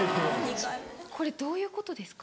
これどういうことですか？